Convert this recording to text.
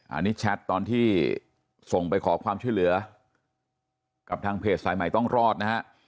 อันนี้แชทตอนที่ส่งไปขอความช่วยเหลือกับทางเพจสายใหม่ต้องรอดนะฮะ